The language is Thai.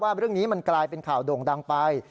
เรื่องนี้มันกลายเป็นข่าวโด่งดังไป